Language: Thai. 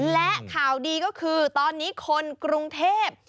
และข่าวดีก็คือตอนนี้คนกรุงเทพ